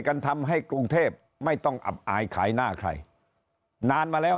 กันทำให้กรุงเทพไม่ต้องอับอายขายหน้าใครนานมาแล้ว